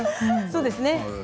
そうですね。